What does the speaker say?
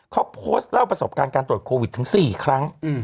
เขาโพสต์เล่าประสบการณ์การตรวจโควิดถึง๔ครั้ง